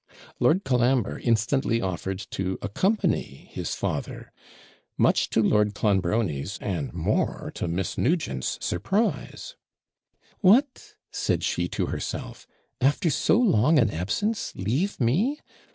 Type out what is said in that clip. Lord Colambre instantly offered to accompany his father; much to Lord Clonbrony's, and more to Miss Nugent's surprise. 'What!' said she to herself, 'after so long an absence, leave me!